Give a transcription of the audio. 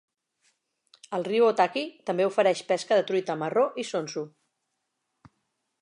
El riu Otaki també ofereix pesca de truita marró i sonso.